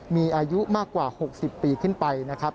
มีอายุมากกว่า๖๐ปีขึ้นไปนะครับ